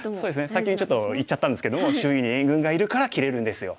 先にちょっと言っちゃったんですけども周囲に援軍がいるから切れるんですよ。